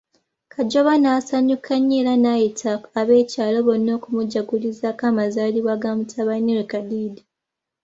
Kajoba n'asanyuka nnyo era nayita ab'ekyalo bonna okumujagulizako amazaalibwa g'amutabani we Kadiidi.